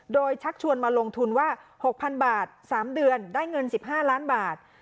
โดยชักชวนมาลงทุนว่าหกพันบาทสามเดือนได้เงินสิบห้าร้านบาท